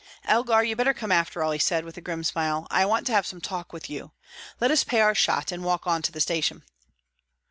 "Elgar, you'd better come, after all," he said, with a grim smile. "I want to have some talk with you. Let us pay our shot, and walk on to the station."